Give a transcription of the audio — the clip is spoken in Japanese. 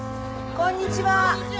こんにちは！